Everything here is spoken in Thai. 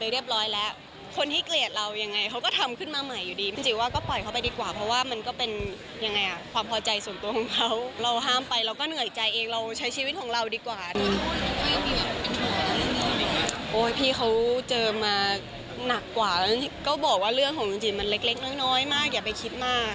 ต้องห่อยการจัดการส่วนผู้ธรรมชีวิตใจ